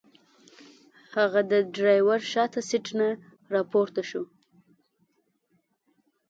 هغه د ډرایور شاته سیټ نه راپورته شو.